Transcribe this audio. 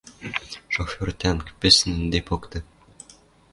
Шофер тӓнг, пӹсӹн ӹнде покты!